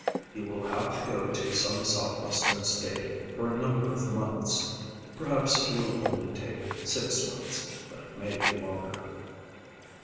"He will have to go to some southwestern state for a number of months. Perhaps it will only take six months, but it may be longer."